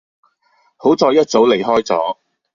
好在一早離開左